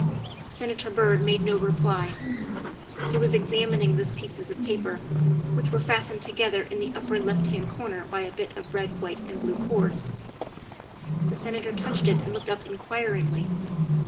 '' Senator Byrd made no reply. He was examining the pieces of paper, which were fastened together in the upper left hand corner by a bit of red, white, and blue cord. The Senator touched it and looked up in quiringly.